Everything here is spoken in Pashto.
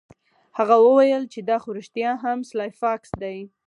هغه وویل چې دا خو رښتیا هم سلای فاکس دی